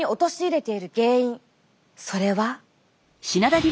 それは。